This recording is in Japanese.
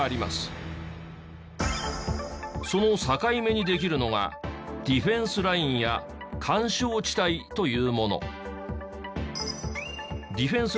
その境目にできるのがディフェンスラインや緩衝地帯というもの。